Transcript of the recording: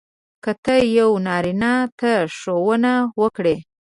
که ته یو نارینه ته ښوونه وکړې.